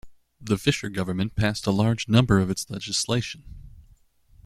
The Fisher government passed a large number of its legislation.